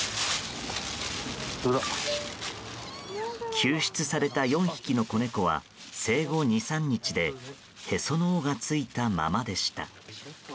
救出された４匹の子猫は生後２３日でへその緒が付いたままでした。